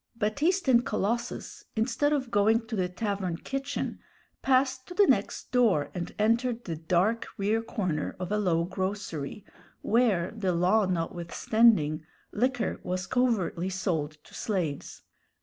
Baptiste and Colossus, instead of going to the tavern kitchen, passed to the next door and entered the dark rear corner of a low grocery, where, the law notwithstanding, liquor was covertly sold to slaves.